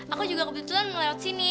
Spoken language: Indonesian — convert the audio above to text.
aku juga kebetulan lewat sini